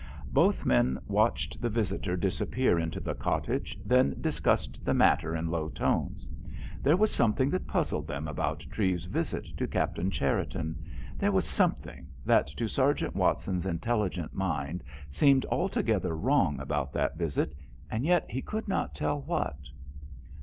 Both men watched the visitor disappear into the cottage, then discussed the matter in low tones. There was something that puzzled them about Treves's visit to Captain Cherriton—there was something that to Sergeant Watson's intelligent mind seemed altogether wrong about that visit, and yet he could not tell what.